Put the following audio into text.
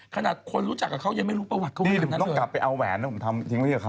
ขนาดคนรู้จักกับเขามันยังไม่รู้ประวัติพวงขนาดนั้นเลย